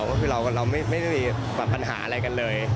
ว่าพี่เรากับเราไม่มีปัญหาอะไรกันเลย